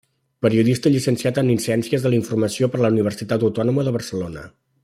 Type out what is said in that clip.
Periodista llicenciat en Ciències de la Informació per la Universitat Autònoma de Barcelona.